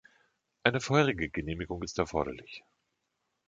Eine vorherige Genehmigung ist erforderlich.